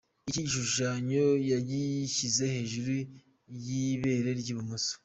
Iki gishushanyo yagishyize hejuru y’ibere ry’ibumoso.